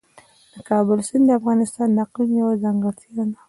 د کابل سیند د افغانستان د اقلیم یوه ځانګړتیا ده.